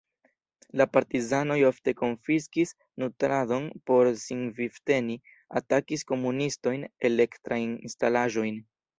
La partizanoj ofte konfiskis nutradon por sin vivteni, atakis komunistojn, elektrajn instalaĵojn.